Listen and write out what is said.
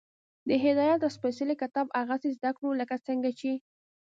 د هدایت دا سپېڅلی کتاب هغسې زده کړو، لکه څنګه چې